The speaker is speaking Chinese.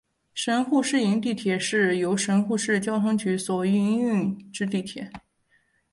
神户市营地铁是由神户市交通局所营运之地铁。